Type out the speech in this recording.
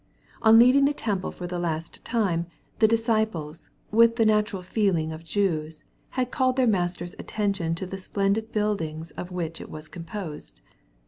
On leaving the temple for the last time, the disciples, with the natural feeling of Jews, had called their Master's attention to the splendid build ings of which it was composed.